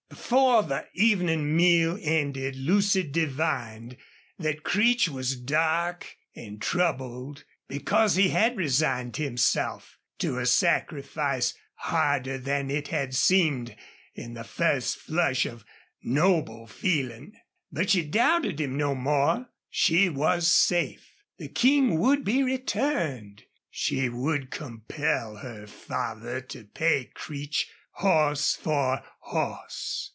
Before the evening meal ended Lucy divined that Creech was dark and troubled because he had resigned himself to a sacrifice harder than it had seemed in the first flush of noble feeling. But she doubted him no more. She was safe. The King would be returned. She would compel her father to pay Creech horse for horse.